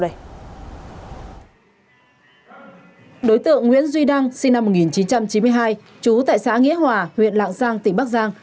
đối tượng nguyễn duy đăng sinh năm một nghìn chín trăm chín mươi hai trú tại xã nghĩa hòa huyện lạng giang tỉnh bắc giang